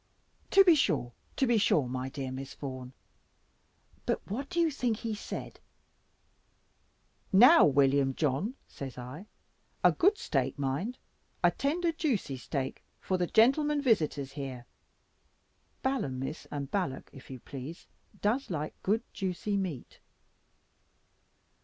"To be sure, to be sure, my dear Miss Vaughan; but what do you think he said? 'Now, William John,' says I, 'a good steak mind, a tender juicy steak, for the gentleman visitors here' Balaam, Miss, and Balak, if you please, 'does like good juicy meat.